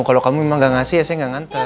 kalau kamu emang gak ngasih ya saya gak nganter